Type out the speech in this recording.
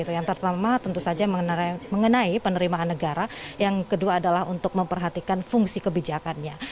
yang pertama tentu saja mengenai penerimaan negara yang kedua adalah untuk memperhatikan fungsi kebijakannya